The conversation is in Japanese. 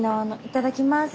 いただきます。